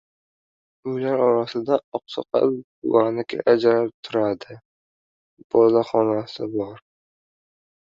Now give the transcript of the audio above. Uylar orasida Oqsoqol buvaniki ajralib turib- di; boloxonasi bor.